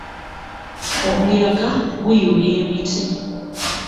Omuyagga guyuya emiti.